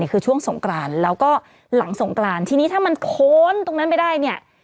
คือช่วงสงกรานแล้วก็หลังสงกรานทีนี้ถ้ามันโค้นตรงนั้นไปได้เนี่ย